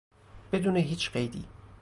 بدون هیچ قیدی